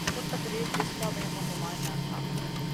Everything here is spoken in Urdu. وہ تقریر جس کا وہم و گماں نہ تھا۔